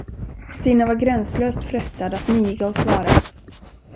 Stina var gränslöst frestad att niga och svara.